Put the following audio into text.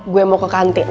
gue mau ke kantin